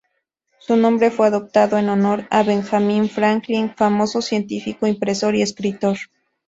Su nombre fue adoptado en honor a Benjamin Franklin, famoso científico, impresor y escritor.